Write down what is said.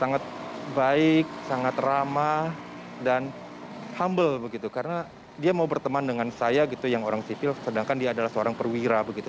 sangat baik sangat ramah dan humble begitu karena dia mau berteman dengan saya gitu yang orang sipil sedangkan dia adalah seorang perwira begitu